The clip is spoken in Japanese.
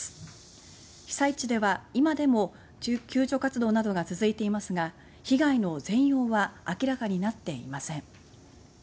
被災地では今も救助活動などが続いていますが被害の全容は明らかになっていません。